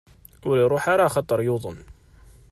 Ur iruḥ ara axaṭer yuḍen.